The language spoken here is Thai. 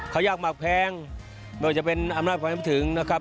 เขายากมากแพงไม่ว่าจะเป็นอำนาจความถึงนะครับ